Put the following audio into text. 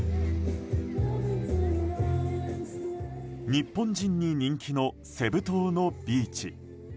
日本人に人気のセブ島のビーチ。